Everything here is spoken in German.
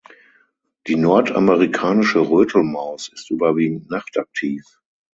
Die Nordamerikanische Rötelmaus ist überwiegend nachtaktiv.